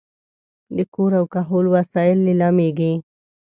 د کور او کهول وسایل لیلامېږي.